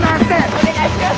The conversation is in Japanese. お願いします！